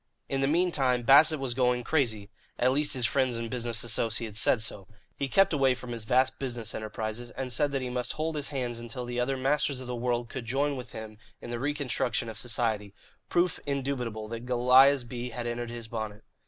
In the meantime, Bassett was going crazy at least his friends and business associates said so. He kept away from his vast business enterprises and said that he must hold his hands until the other masters of the world could join with him in the reconstruction of society proof indubitable that Goliah's bee had entered his bonnet.